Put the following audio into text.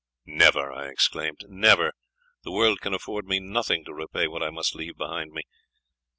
"Never!" I exclaimed, "never! the world can afford me nothing to repay what I must leave behind me."